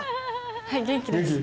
はい元気です元気？